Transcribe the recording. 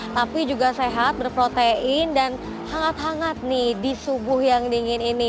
tapi juga sehat berprotein dan hangat hangat nih di subuh yang dingin ini